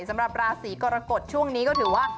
สำหรับราศีกรกฎช่วงนี้ก็ถือว่า